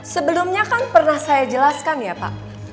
sebelumnya kan pernah saya jelaskan ya pak